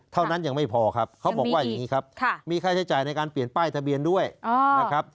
เท่านั้นยังไม่พอครับเขาบอกว่าอย่างนี้ครับมีค่าใช้จ่ายในการเปลี่ยนป้ายทะเบียนด้วยนะครับ